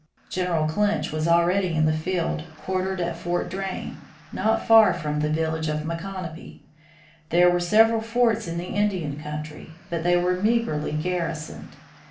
General Clinch was already in the field quartered at Fort Drane, not far from the village of Micanopy. There were several forts in the Indian country, but they were meagerly garrisoned.